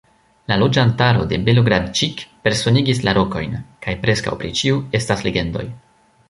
La loĝantaro de Belogradĉik personigis la rokojn, kaj preskaŭ pri ĉiu estas legendoj.